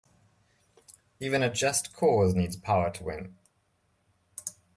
Even a just cause needs power to win.